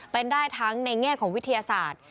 เป็นได้ทั้งในแง่ของวิทยาศาสตร์